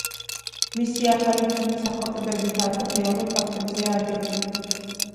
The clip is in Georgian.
მისი ახალი ფილმი, სახელწოდებით „არგო“ რეალურ ფაქტებზეა აგებული.